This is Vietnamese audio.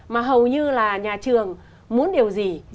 mà hầu như là nhà trường muốn điều gì